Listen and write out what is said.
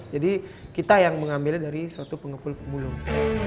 jadi kita yang mengambilnya dari suatu pengepul pembulung